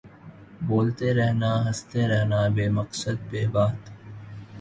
بولتے رہنا ہنستے رہنا بے مقصد بے بات